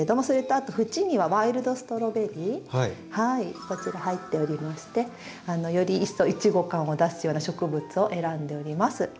それとあと縁にはワイルドストロベリーこちら入っておりましてより一層イチゴ感を出すような植物を選んでおります。